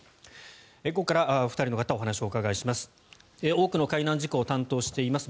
ここからお二人の方にお話をお伺いします。